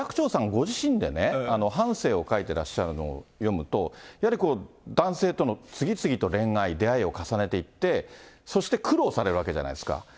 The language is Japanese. ご自身でね、半生を書いてらっしゃるのを読むと、やはり男性との次々と恋愛、出会いを重ねていって、そして苦労されるわけじゃないですか。